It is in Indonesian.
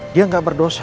dia gak berdosa